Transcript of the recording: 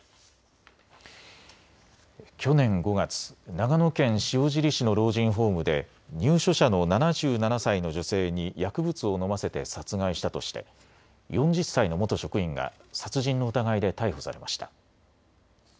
去年５月、長野県塩尻市の老人ホームで入所者の７７歳の女性に薬物を飲ませて殺害したとして４０歳の元職員が殺人の疑いで逮捕されました。